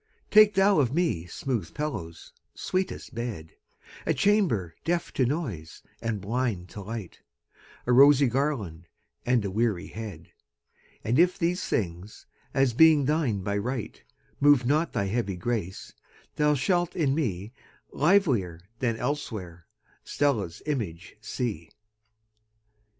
Take thou of me smooth pillows, sweetest bed,A chamber deaf to noise and blind to light,A rosy garland and a weary head:And if these things, as being thine by right, Move not thy heavy grace, thou shalt in me, Livelier than elsewhere, Stella's image see.